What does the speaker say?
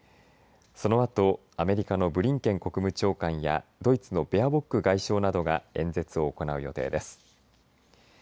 そのあと、アメリカのブリンケン国務長官やドイツのベアボック外相などが演説を行う予定です。